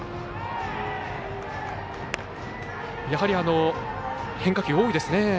やはり、変化球が多いですね。